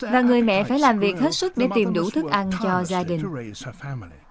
và người mẹ phải làm việc hết sức để tìm đủ thức ăn cho gia đình